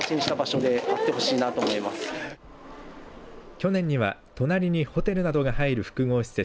去年には隣にホテルなどが入る複合施設